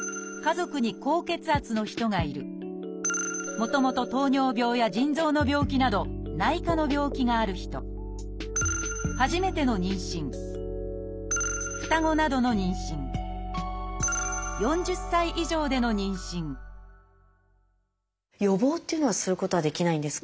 もともと糖尿病や腎臓の病気など内科の病気がある人予防っていうのはすることはできないんですか？